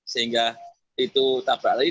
sehingga itu tak berlaku